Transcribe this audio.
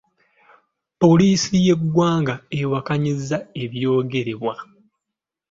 Poliisi y’eggwanga ewakanyizza ebyogerebwa.